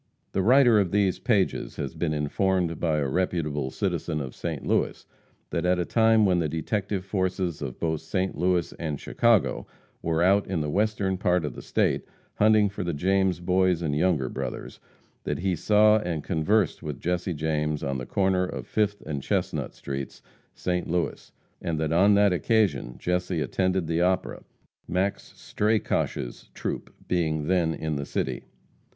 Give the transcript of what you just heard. The writer of these pages has been informed by a reputable citizen of St. Louis, that at a time when the detective forces of both St. Louis and Chicago were out in the western part of the State, hunting for the James Boys and Younger Brothers, that he saw and conversed with Jesse James on the corner of Fifth and Chestnut streets, St. Louis, and that on that occasion Jesse attended the opera, Max Strakosch's troupe being then in the city.